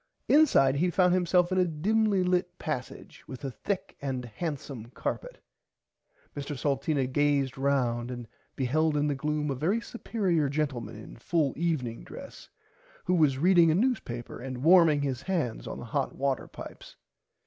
Inside he found himself in a dimly lit passage with a thick and handsom carpet. Mr Salteena gazed round and beheld in the gloom a very superier gentleman in full evening dress who was reading a newspaper and warming his hands on the hot water pipes.